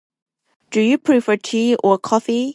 Do you prefer tea or coffee?